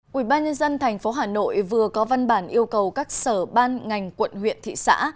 quỹ ban nhân dân tp hà nội vừa có văn bản yêu cầu các sở ban ngành quận huyện thị xã